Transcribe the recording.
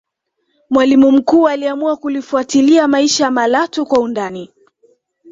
mwalimu mkuu aliamua kulifuatilia maisha ya malatwe kwa undani